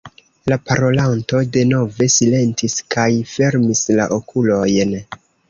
La parolanto denove silentis kaj fermis la okulojn.